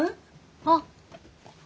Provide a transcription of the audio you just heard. あっ。